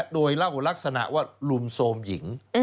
โดยเล่าลักษณะว่ารุมโทรมหญิง